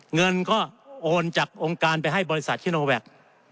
เงินก็โอนจากองค์การไปให้บริษัทชิโนแวค